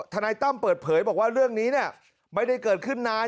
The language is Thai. นายตั้มเปิดเผยบอกว่าเรื่องนี้ไม่ได้เกิดขึ้นนาน